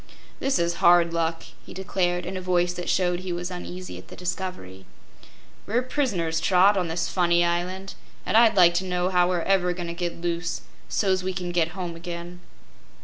"This is hard luck," he declared, in a voice that showed he was uneasy at the discovery. "We're pris'ners, Trot, on this funny island, an' I'd like to know how we're ever goin' to get loose, so's we can get home again."